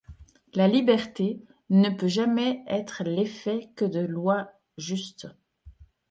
La liberté ne peut jamais être l'effet que de lois justes.